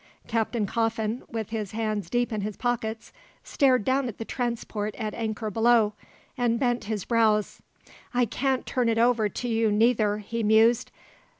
Captain Coffin, with his hands deep in his pockets, stared down at the transport at anchor below, and bent his brows. "I can't turn it over to you, neither," he mused.